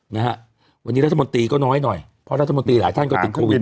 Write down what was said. นะฮะวันนี้รัฐมนตรีก็น้อยหน่อยเพราะรัฐมนตรีหลายท่านก็ติดโควิด